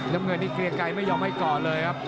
น้ำเงินนี่เกลียงไกรไม่ยอมให้ก่อนเลยครับ